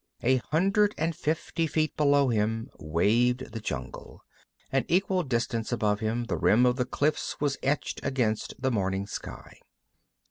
A hundred and fifty feet below him waved the jungle. An equal distance above him the rim of the cliffs was etched against the morning sky.